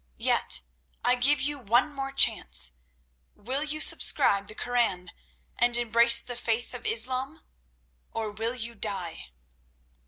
Yet I give you one more chance. Will you subscribe the Koran and embrace the faith of Islam? Or will you die?"